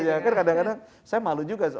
iya kadang kadang saya malu juga